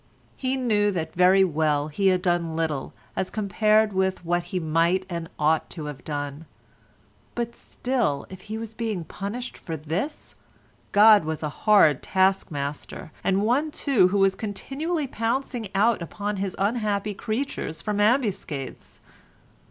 He knew that very well he had done little as compared with what he might and ought to have done, but still if he was being punished for this, God was a hard taskmaster, and one, too, who was continually pouncing out upon his unhappy creatures from ambuscades.